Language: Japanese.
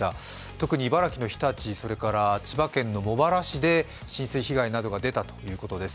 特に茨城の日立、それから千葉県の茂原市で浸水被害などが出たということです。